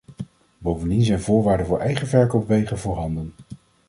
Bovendien zijn voorwaarden voor eigen verkoopwegen voorhanden.